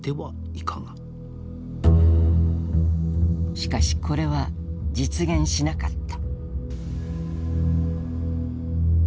しかしこれは実現しなかった。